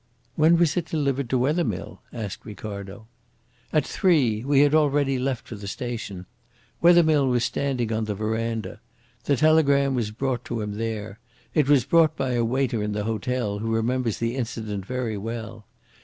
"When was it delivered to Wethermill?" asked Ricardo. "At three. We had already left for the station. Wethermill was sitting on the verandah. The telegram was brought to him there. It was brought by a waiter in the hotel who remembers the incident very well.